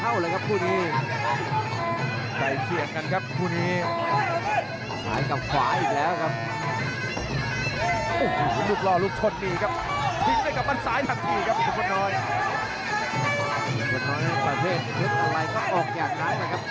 ประเทศหรืออะไรก็ออกอย่างนั้นนะครับ